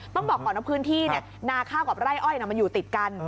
ต้องบอกก่อนว่าพื้นที่นาข้าวกับไร่อ้อยมันอยู่ติดกัน